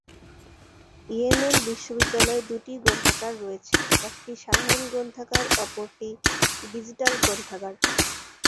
Yemen বিশ্ববিদ্যালয়ে দুইটি গ্রন্থাগার রয়েছে, একটি সাধারণ গ্রন্থাগার অপরটি ডিজিটাল গ্রন্থাগার।